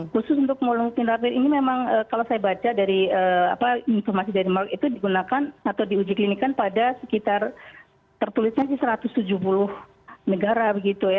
khusus untuk mulung tinapir ini memang kalau saya baca dari informasi dari merk itu digunakan atau diuji klinikan pada sekitar tertulisnya satu ratus tujuh puluh negara begitu ya